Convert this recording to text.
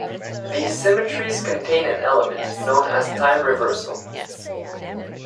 These symmetries contain an element known as time reversal.